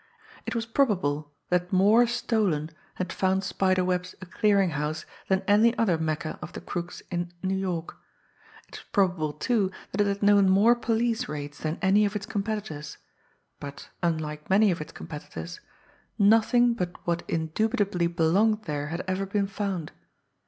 It was probable that more stolen had found Spider Webb's a clearing house than any other Mecca of the crooks in New York. It was probable, too, that it had known more police raids than any of its competitors but, unlike many of its competitors, nothing but what indubitably belonged there had ever been found.